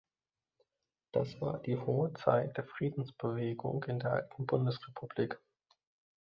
Das war die hohe Zeit der Friedensbewegung in der alten Bundesrepublik.